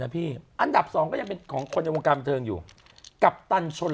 นะพี่อันดับสองก็ยังของคนโยคการ์เติร์นอยู่กัปตันชน